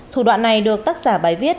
thủ đoạn này được tác giả bài viết